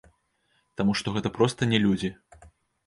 Таму што гэта проста не людзі.